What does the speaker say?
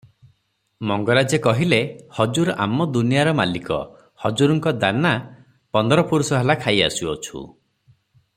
ମଙ୍ଗରାଜ କହିଲେ, "ହଜୁର ଆମ ଦୁନିଆର ମାଲିକ, ହଜୁରଙ୍କ ଦାନା ପନ୍ଦର ପୁରୁଷ ହେଲା ଖାଇ ଆସୁଅଛୁ ।